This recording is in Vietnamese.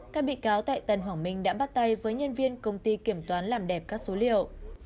các bị cáo tại tân hoàng minh đã bắt tay với nhân viên công ty kiểm toán làm đẹp các số liệu